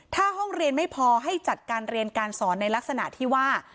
ถ้าห้องเรียนไม่พอให้จัดการเรียนการสอนในลักษณะที่ว่า